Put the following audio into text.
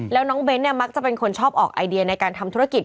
แล้วน้องเบ้นเนี่ยมักจะเป็นคนชอบออกไอเดียในการทำธุรกิจ